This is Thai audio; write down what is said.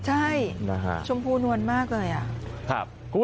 ใช่ชมพูนวลมากเลยอ่ะ